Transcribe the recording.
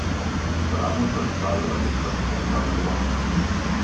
Ramos hat zahlreiche Plattenaufnahmen gemacht.